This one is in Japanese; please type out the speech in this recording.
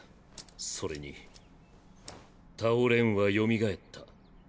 それに道はよみがえった。